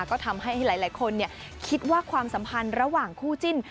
ก็ทำให้หลายคนคิดว่าความสัมพันธ์ระหว่างคู่จิ้น